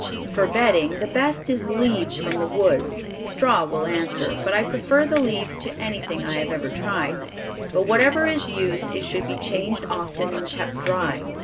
For bedding, the best is leaves from the woods; straw will answer, but I prefer the leaves to anything I have ever tried, but whatever is used it should be changed often and kept dry.